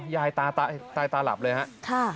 ยายตายตาหลับเลยครับ